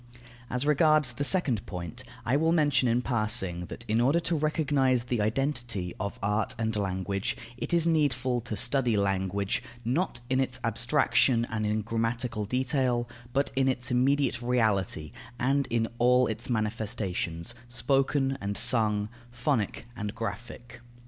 As regards the second point, I will mention in passing that, in order to recognize the identity of art and language, it is needful to study language, not in its abstraction and in grammatical detail, but in its immediate reality, and in all its manifestations, spoken and sung, phonic and graphic.